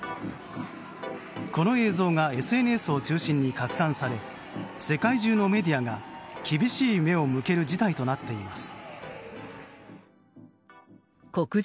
この映像がＳＮＳを中心に拡散され世界中のメディアが厳しい目を向ける事態となっています。